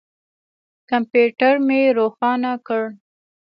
کمپیوټر مې روښانه کړ.